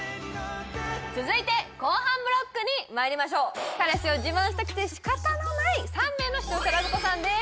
続いて後半ブロックにまいりましょう彼氏を自慢したくてしかたのない３名の視聴者ラブ子さんです！